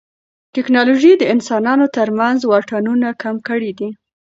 ټیکنالوژي د انسانانو ترمنځ واټنونه کم کړي دي.